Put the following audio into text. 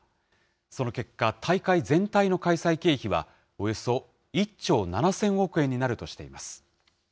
その結果、大会全体の開催経費は、およそ１兆７０００億円になるとしています。